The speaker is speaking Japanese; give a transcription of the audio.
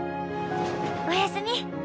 おやすみ。